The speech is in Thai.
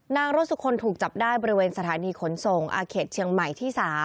นางรสสุคลถูกจับได้บริเวณสถานีขนส่งอาเขตเชียงใหม่ที่๓